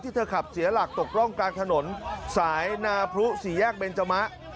เธอขับเสียหลักตกร่องกลางถนนสายนาพรุสี่แยกเบนจมะ